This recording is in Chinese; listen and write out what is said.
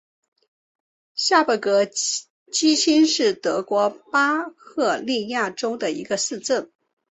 下贝格基兴是德国巴伐利亚州的一个市镇。